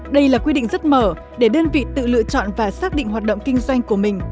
đây là quy định rất mở để đơn vị tự lựa chọn và xác định hoạt động kinh doanh của mình